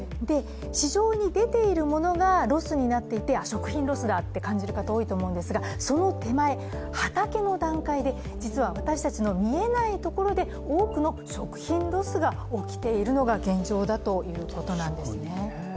市場に出ているものがロスになっていて食品ロスだと感じる方が多いと思うんですが、その手前、畑の段階で実は私たちの見えないところで多くの食品ロスが起きているのが現状だということなんですね。